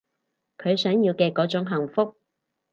佢想要嘅嗰種幸福